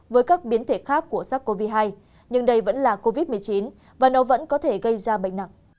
với các biến thể khác của sars cov hai nhưng đây vẫn là covid một mươi chín và nó vẫn có thể gây ra bệnh nặng